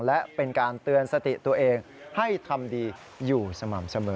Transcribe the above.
และเป็นการเตือนสติตัวเองให้ทำดีอยู่สม่ำเสมอ